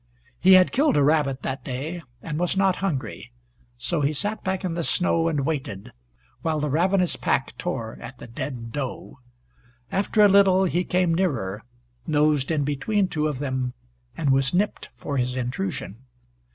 He had killed a rabbit that day and was not hungry. So he sat back in the snow and waited, while the ravenous pack tore at the dead doe. After a little he came nearer, nosed in between two of them, and was nipped for his intrusion.